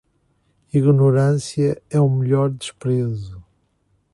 Ignorância é o melhor desprezo.